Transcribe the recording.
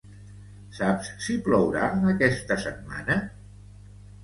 Saps si plourà aquesta setmana?